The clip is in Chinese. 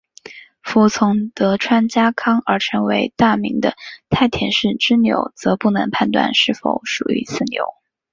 服从德川家康而成为大名的太田氏支流则不能判断是否属于此流。